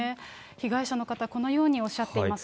被害者の方、このようにおっしゃっています。